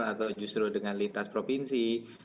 atau justru dengan lintas provinsi